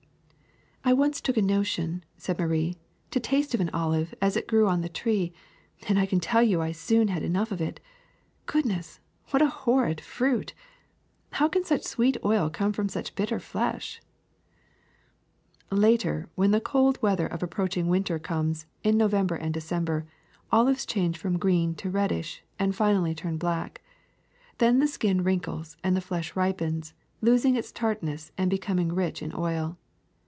^^ *^I once took a notion,'^ said Marie, ^Ho taste of an olive as it grew on the tree, and I can tell you I soon had enough of it. Goodness, what a horrid fruit! How can such sweet oil come from such bitter flesh T^ Later when the cold weather of approaching win ter comes, in November and December, olives change from green to reddish, and finally turn black. Then the skin wrinkles and the flesh ripens, losing its tart ness and becoming rich in oil.